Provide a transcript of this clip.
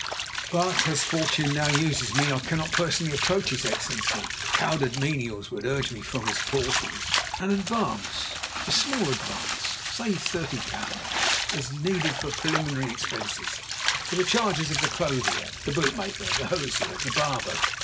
But, as Fortune now uses me, I cannot personally approach his Excellency. Powdered menials would urge me from his portals. An advance, a small advance—say 30_l._—is needed for preliminary expenses: for the charges of the clothier, the bootmaker, the hosier, the barber.